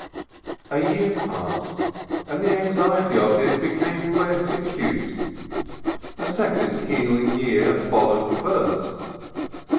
A year passed, and the anxiety of him became less acute; a second healing year followed the first.